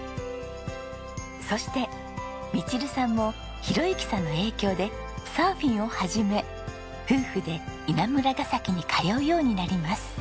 そしてミチルさんも宏幸さんの影響でサーフィンを始め夫婦で稲村ガ崎に通うようになります。